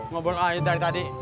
ngobrol aja dari tadi